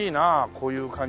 こういう感じで。